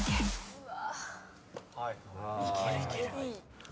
うわ。